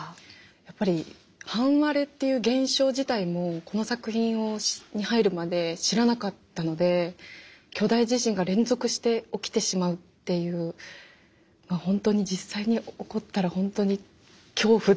やっぱり半割れっていう現象自体もこの作品に入るまで知らなかったので巨大地震が連続して起きてしまうっていう本当に実際に起こったら本当に恐怖でしかなくて。